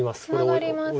ツナがりますが。